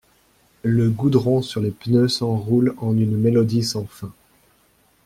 Le goudron sur les pneus s’enroule en une mélodie sans fin.